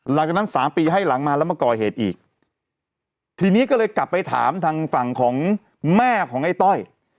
หลังจากนั้นสามปีให้หลังมาแล้วมาก่อเหตุอีกทีนี้ก็เลยกลับไปถามทางฝั่งของแม่ของไอ้ต้อย